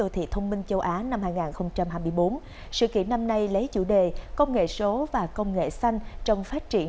thông minh châu á năm hai nghìn hai mươi bốn sự kiện năm nay lấy chủ đề công nghệ số và công nghệ xanh trong phát triển